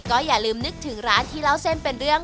ก็อย่าลืมนึกถึงร้านที่เล่าเส้นเป็นเรื่อง